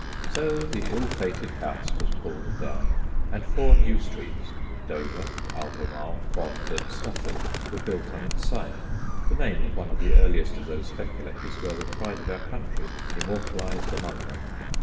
So the ill fated house was pulled down, and four new streets Dover, Albemarle, Bond, and Stafford were built on its site ; the name of one of the earliest of those speculators who are the pride of our country immortalised among them.